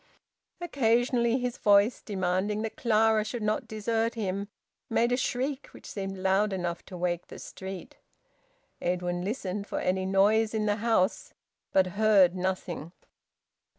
Occasionally his voice, demanding that Clara should not desert him, made a shriek which seemed loud enough to wake the street. Edwin listened for any noise in the house, but heard nothing.